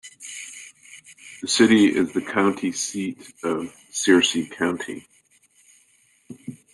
The city is the county seat of Searcy County.